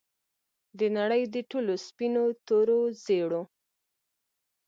د نړۍ د ټولو سپینو، تورو، زیړو